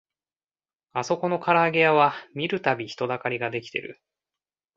あそこのからあげ屋は見るたび人だかりが出来てる